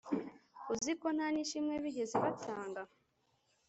uzi ko nta nishimwe bigeze batanga